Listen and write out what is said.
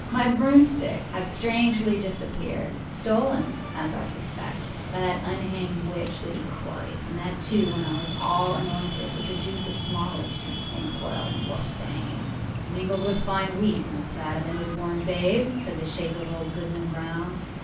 âmy broomstick hath strangely disappeared, stolen, as I suspect, by that unhanged witch, Goody Cory, and that, too, when I was all anointed with the juice of smallage, and cinquefoil, and wolfâs bane.â âMingled with fine wheat and the fat of a new born babe,â said the shape of old Goodman Brown.